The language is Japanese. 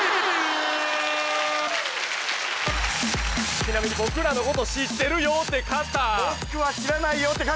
ちなみに僕らのこと知ってるよって方！